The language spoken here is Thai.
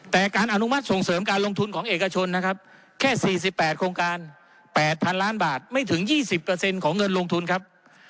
แต่การอนุมัติส่งเสริมการลงทุนของเอกชนนะครับแค่๔๘โครงการ๘๐๐๐ล้านบาทไม่ถึง๒๐ของเงินลงทุนครับ